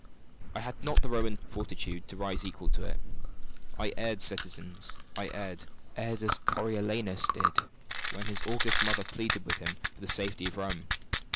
I had not the Roman fortitude to rise equal to it. I erred, citizens erred as Coriolanus did, when his august mother pleaded with him for the safety of Rome!